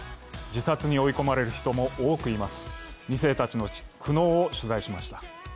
自殺に追い込まれる人も多くいます。